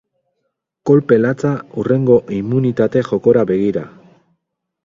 Kolpe latza hurrengo immunitate jokora begira.